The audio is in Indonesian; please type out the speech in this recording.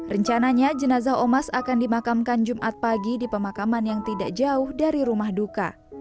rencananya jenazah omas akan dimakamkan jumat pagi di pemakaman yang tidak jauh dari rumah duka